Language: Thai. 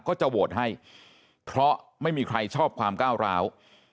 ก็จะโหวตให้เพราะไม่มีใครชอบความก้าวร้าว